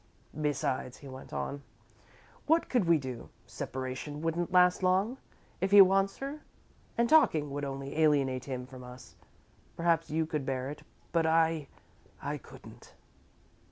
"Besides," he went on, "what could we do? Separation wouldn't last long, if he wants her, and talking would only alienate him from us. Perhaps you could bear it, but I I couldn't."